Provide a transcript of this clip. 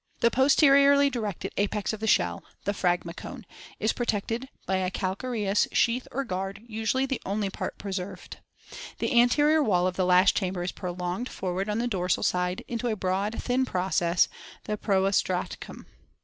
The posteriorly directed apex of the shell, the phragmacone (see Fig. 115), is protected by a calcareous sheath or guard, usually the only part preserved. The anterior wall of the last chamber is prolonged for ward on the dorsal side into a broad, thin process, the proostracum.